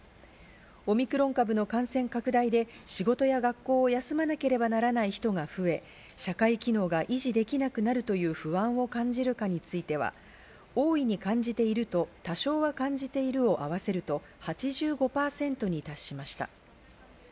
オミクロン株の感染拡大で仕事や学校を休まなければならない人が増え、社会機能が維持できなくなるという不安を感じるかについては、大いに感じていると、多少は感じているを合わせると８５％に達しました。